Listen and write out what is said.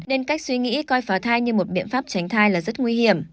nên cách suy nghĩ coi phá thai như một biện pháp tránh thai là rất nguy hiểm